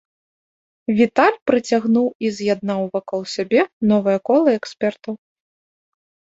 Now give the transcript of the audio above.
Віталь прыцягнуў і з'яднаў вакол сябе новае кола экспертаў.